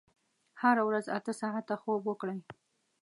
هره ورځ اته ساعته خوب وکړئ.